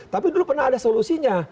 tapi dulu pernah ada solusinya